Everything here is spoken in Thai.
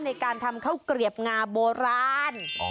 ในการทำข้าวเกลียบงาโบราณ